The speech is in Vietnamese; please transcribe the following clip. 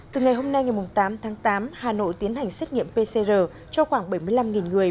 từ ngày hôm nay ngày tám tháng tám hà nội tiến hành xét nghiệm pcr cho khoảng bảy mươi năm người